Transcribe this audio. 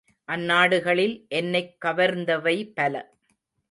அந்நாடுகளில் என்னைக் கவர்ந்தவை பல.